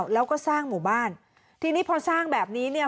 แล้วก็สร้างหมู่บ้านทีนี้พอสร้างแบบนี้เนี่ย